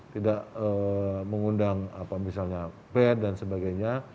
tidak mengundang misalnya band dan sebagainya